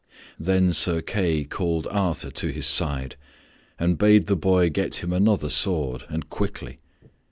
Then Sir Kay called Arthur to his side and bade the boy get him another sword, and quickly.